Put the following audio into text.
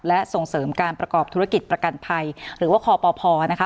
และส่งเสริมการประกอบธุรกิจประกันภัยหรือว่าคปพนะคะ